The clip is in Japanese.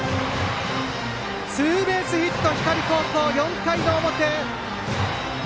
ツーベースヒット光高校、４回表。